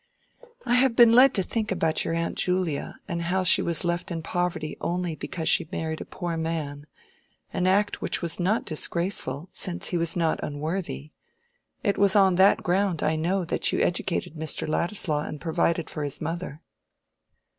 "I have been led to think about your aunt Julia, and how she was left in poverty only because she married a poor man, an act which was not disgraceful, since he was not unworthy. It was on that ground, I know, that you educated Mr. Ladislaw and provided for his mother."